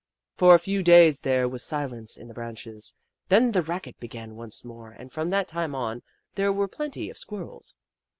For a few days there was silence in the branches, then the racket began once more and from that time on there were plenty of Squirrels.